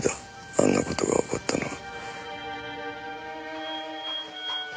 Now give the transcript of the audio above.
あんなことが起こったのは。